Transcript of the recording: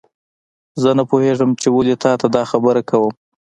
زه نه پوهیږم چې ولې تا ته دا خبره کوم